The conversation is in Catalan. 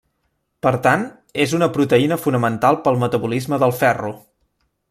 Per tant, és una proteïna fonamental pel metabolisme del ferro.